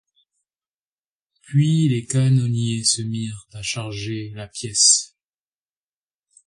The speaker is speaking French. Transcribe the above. Puis les canonniers se mirent à charger la pièce.